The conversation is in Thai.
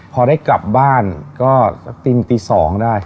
พอได้กลับบ้านก็ตี๒ได้